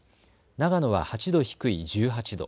長野は８度低い１８度、